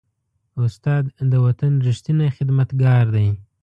استاد د وطن ریښتینی خدمتګار دی.